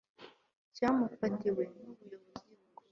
cyamufatiwe n Ubuyobozi Bukuru